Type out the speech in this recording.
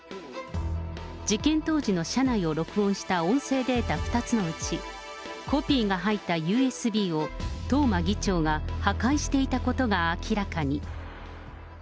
事件当時の車内を録音した音声データ２つのうち、コピーが入ったＵＳＢを東間議長が破壊していたことが明らかに。